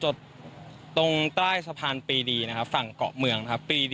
ตรงใต้สะพานปีดีนะครับฝั่งเกาะเมืองครับ